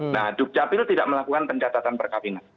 nah dukcapil tidak melakukan pencatatan perkahwinan